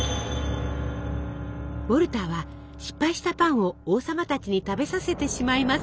ウォルターは失敗したパンを王様たちに食べさせてしまいます。